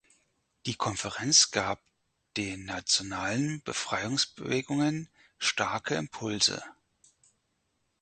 Die Konferenz gab den nationalen Befreiungsbewegungen starke Impulse.